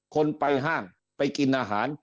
คนไปห้างไปกินอาหาร